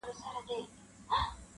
یوه ژبه یې ویل د یوه اېل وه-